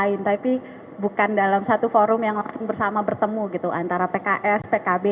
ini kan dari pkb